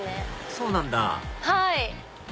そうなんだはい。